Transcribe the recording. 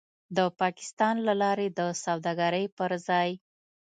د پاکستان له لارې د سوداګرۍ پر ځای